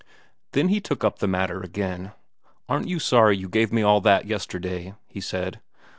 Then he took up the matter again. "Aren't you sorry you gave me all that yesterday?" he said.